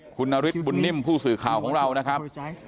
คุณนฤทธิบุญนิ่มผู้สื่อข่าวของเรานะครับ